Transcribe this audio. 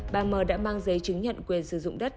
bà mờ đã mang giấy chứng nhận quyền sử dụng đất